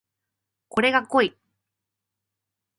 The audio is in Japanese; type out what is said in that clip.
これが濃い